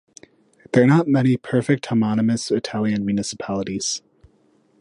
There are not many perfect homonymous Italian municipalities.